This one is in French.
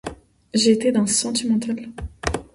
J'étais d'un sentimental !